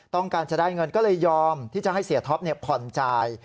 ต้องการจะได้เงินก็เลยยอมที่จะให้เสียท็อปผ่อนจ่าย